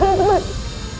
kamu denger ya